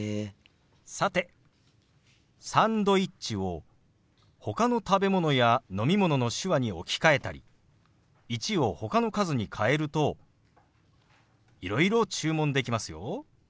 さて「サンドイッチ」をほかの食べ物や飲み物の手話に置き換えたり「１」をほかの数に変えるといろいろ注文できますよ。